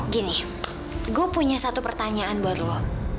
gini gue punya satu pertanyaan buat lo